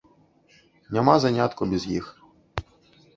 Няма занятку без іх.